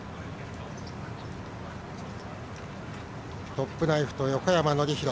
トップナイフと横山典弘。